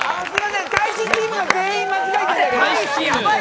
大使チームが全員間違えてる！